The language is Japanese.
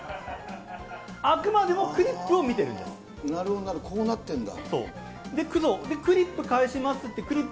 あくまでもクリップを見てるなるほど、こうなってるんだ。